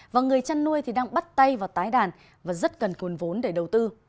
và người chăn nuôi đang bắt tay vào tái đàn và rất cần cuốn vốn để đầu tư